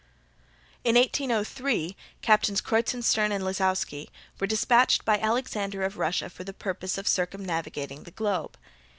In 1803, Captains Kreutzenstern and Lisiausky were dispatched by Alexander of Russia for the purpose of circumnavigating the globe.